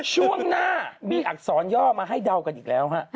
ช่วงหน้ามีอักษรย่อมาให้เดากันอีกแล้วฮะ